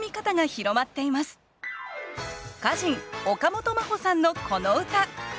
歌人岡本真帆さんのこの歌。